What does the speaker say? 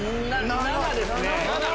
７ですね。